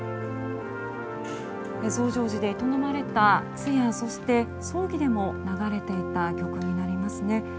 増上寺で営まれた通夜、葬儀でも流れていた曲になりますね。